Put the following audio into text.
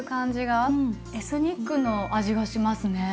エスニックの味がしますね。